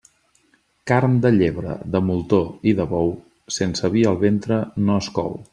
Carn de llebre, de moltó i de bou, sense vi al ventre no es cou.